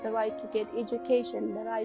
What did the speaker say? mereka bisa mendapatkan pendidikan